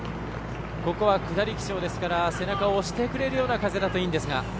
下り基調ですから背中を押してくれるような風だといいんですが。